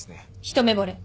一目ぼれ。